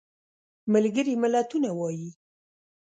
ملګري ملتونه وایي.